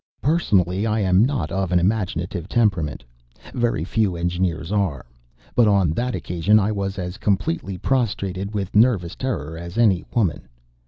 Personally I am not of an imaginative temperament, very few Engineers are, but on that occasion I was as completely prostrated with nervous terror as any woman.